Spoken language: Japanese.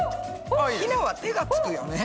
ひなは手がつくよね。